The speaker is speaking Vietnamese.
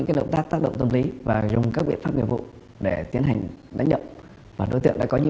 tất cả các thông tin bàn bàn xã để phân loại cho đối tượng nhà